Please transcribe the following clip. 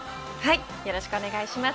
よろしくお願いします